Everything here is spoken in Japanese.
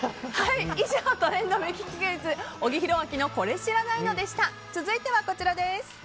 以上、トレンド目利きクイズ小木博明のこれ知らないの？でした。